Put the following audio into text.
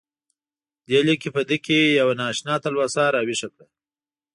دې لیک په ده کې یوه نا اشنا تلوسه راویښه کړه.